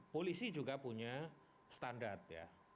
polisi juga punya standar ya